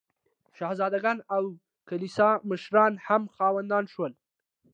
شهزاده ګان او کلیسا مشران هم خاوندان شول.